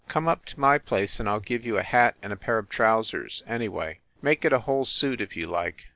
Come up to my place and I ll give you a hat and a pair of trousers, anyway. Make it a whole suit, if you like.